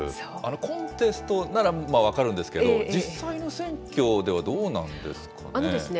コンテストならまあ分かるんですけど、実際の選挙ではどうなんですかね。